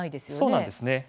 そうなんですね。